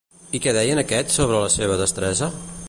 I què deien aquests sobre la seva destresa?